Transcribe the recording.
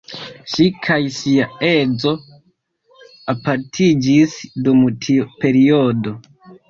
Ŝi kaj sia edzo apartiĝis dum tiu periodo.